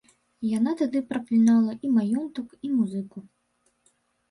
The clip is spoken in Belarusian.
Яна тады праклінала і маёнтак і музыку.